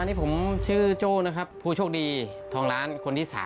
นี่ผมชื่อโจ้นะครับผู้โชคดีทองล้านคนที่๓